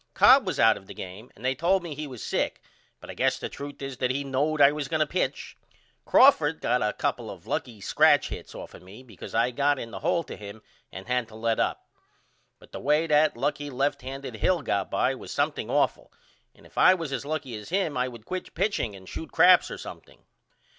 Cobb was out of the game and they told me he was sick but I guess the truth is that he knowed I was going to pitch. Crawford got a couple of lucky scratch hits off of me because I got in the hole to him and had to let up. But the way that lucky left handed Hill got by was something awful and if I was as lucky as him I would quit pitching and shoot craps or something.